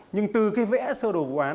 nhưng từ cái vẽ sơ đồ vụ án